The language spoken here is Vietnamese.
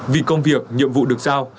vì công việc nhiệm vụ được sao